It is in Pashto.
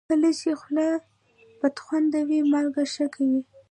کله چې خوله بدخوند وي، مالګه ښه کوي.